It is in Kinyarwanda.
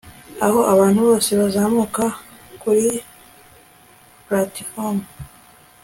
aho abantu bose bazamuka kuri platifomu